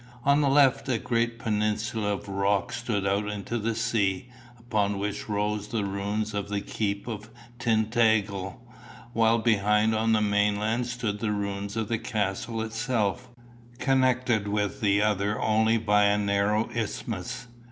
On the left a great peninsula of rock stood out into the sea, upon which rose the ruins of the keep of Tintagel, while behind on the mainland stood the ruins of the castle itself, connected with the other only by a narrow isthmus.